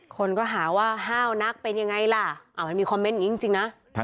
คนก็หาว่าห้าวนักเป็นยังไงล่ะมันมีคอมเมนต์อย่างนี้จริงนะ